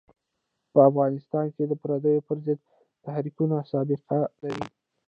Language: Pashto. په افغانستان کې د پرديو پر ضد تحریکونه سابقه لري.